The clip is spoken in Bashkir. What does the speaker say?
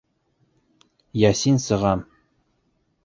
Ясин сығам.